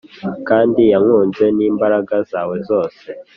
kandi yankunze n'imbaraga zawe zose.